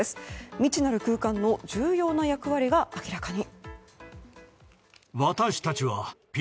未知なる空間の重要な役割が明らかに。